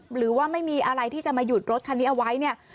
หรือว่าไม่มีอะไรที่จะมาหยุดรถคันนี้เอาไว้เนี่ย